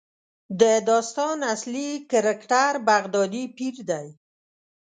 د داستان اصلي کرکټر بغدادي پیر دی.